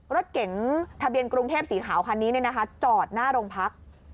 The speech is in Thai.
รถเก๋งทะเบียนกรุงเทพสีขาวคันนี้จอดหน้าโรงพัก